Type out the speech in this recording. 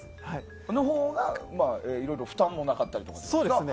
そのほうが、いろいろ負担もなかったりするんですか。